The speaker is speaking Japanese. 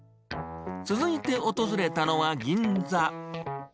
続いて訪れたのは、銀座。